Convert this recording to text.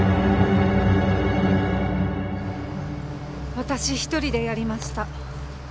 私１人でやりました。